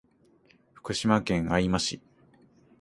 福島県相馬市